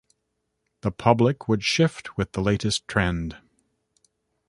The public would shift with the latest trend.